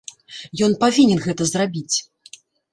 Ён павінен гэта зрабіць.